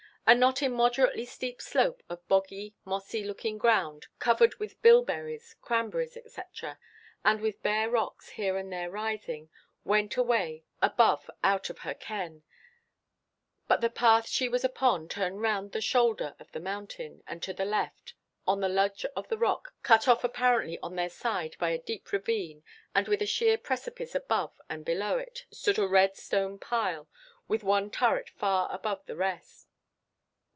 A not immoderately steep slope of boggy, mossy looking ground covered with bilberries, cranberries, &c. and with bare rocks here and there rising, went away above out of her ken; but the path she was upon turned round the shoulder of the mountain, and to the left, on a ledge of rock cut off apparently on their side by a deep ravine, and with a sheer precipice above and below it, stood a red stone pile, with one turret far above the rest.